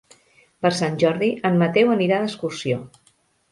Per Sant Jordi en Mateu anirà d'excursió.